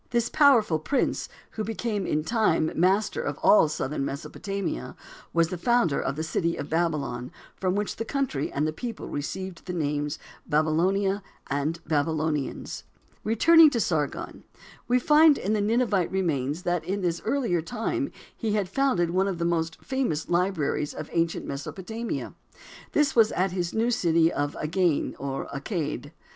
This powerful prince, who became in time master of all southern Mesopotamia, was the founder of the city of Babylon, from which the country and people received the names Babylonia and Babylonians. Returning to Sargon, we find in the Ninevite remains that in this earlier time he had founded one of the most famous libraries of ancient Mesopotamia. This was at his new city of Agane, or Agade.